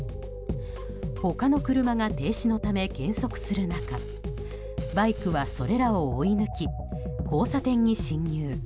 他の車が停止のため減速する中バイクはそれらを追い抜き交差点に進入。